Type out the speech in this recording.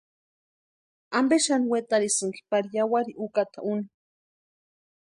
¿Ampe xani wetarhisïnki pari yawarhi úkata úni?